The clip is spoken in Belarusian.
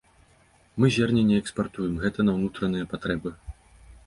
Мы зерне не экспартуем, гэта на унутраныя патрэбы.